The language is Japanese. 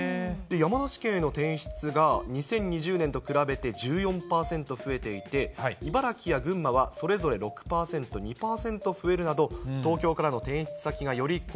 山梨県への転出が２０２０年と比べて１４％増えていて、茨城や群馬はそれぞれ６％、２％増えるなど、東京からの転出先がより